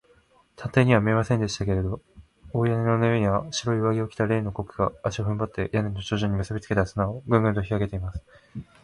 探偵には見えませんでしたけれど、大屋根の上には、白い上着を着た例のコックが、足をふんばって、屋根の頂上にむすびつけた綱を、グングンと引きあげています。